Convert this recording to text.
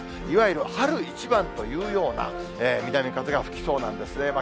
いわゆる春一番というような、南風が吹きそうなんですね。